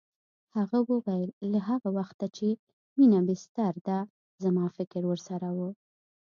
هغه وویل له هغه وخته چې مينه بستر ده زما فکر ورسره و